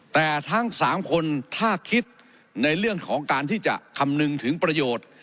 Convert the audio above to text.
แต่ทั้ง๓คนถ้าคิดในเรื่องของการที่จะคำนึงถึงประโยชน์